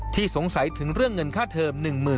สงสัยถึงเรื่องเงินค่าเทอม